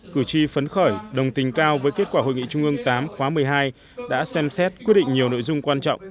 cử tri phấn khởi đồng tình cao với kết quả hội nghị trung ương viii khóa một mươi hai đã xem xét quyết định nhiều nội dung quan trọng